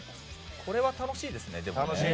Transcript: これは楽しいですね。